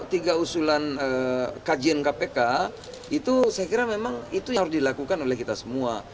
tiga usulan kajian kpk itu saya kira memang itu yang harus dilakukan oleh kita semua